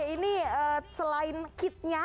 ini selain kitnya